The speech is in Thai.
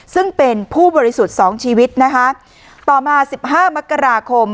ซึ่งเป็นผู้บริสุทธิ์สองชีวิตนะคะต่อมาสิบห้ามกราคม